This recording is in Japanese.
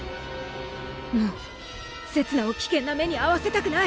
もうせつなを危険な目にあわせたくない！